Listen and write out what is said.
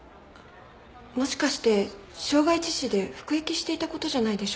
もしかして傷害致死で服役していた事じゃないでしょうか？